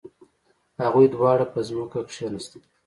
هغوی دواړه په ځمکه کښیناستل.